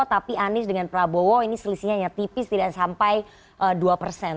tapi anies dengan prabowo ini selisihnya hanya tipis tidak sampai dua persen